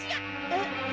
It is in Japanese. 「えっ？」